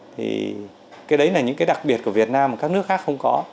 thì cái đấy là những cái đặc biệt của việt nam mà các nước khác không có